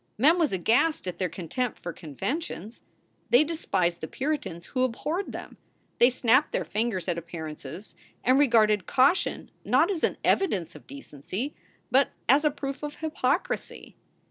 Mem was aghast at their contempt for conventions. They despised the Puritans who abhorred them. They snapped their fingers at appearances and regarded caution not as an evidence of decency, but as a proof of hypocrisy.